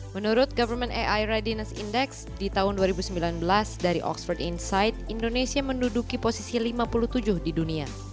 menurut government ai readiness index di tahun dua ribu sembilan belas dari oxford insight indonesia menduduki posisi lima puluh tujuh di dunia